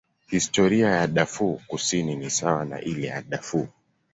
Historia ya Darfur Kusini ni sawa na ile ya Darfur.